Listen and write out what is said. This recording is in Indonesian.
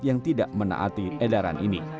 yang tidak menaati edaran ini